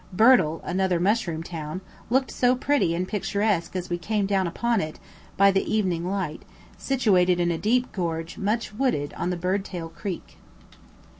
Birtle, another mushroom town, looked so pretty and picturesque as we came down upon it, by the evening light, situated in a deep gorge much wooded on the Birdtail Creek.